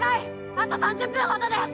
あと３０分ほどです！